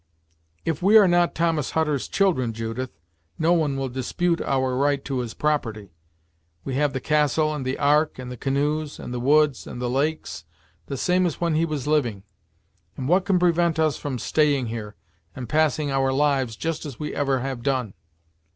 "If we are not Thomas Hutter's children, Judith, no one will dispute our right to his property. We have the castle and the Ark, and the canoes, and the woods, and the lakes, the same as when he was living, and what can prevent us from staying here, and passing our lives just as we ever have done?"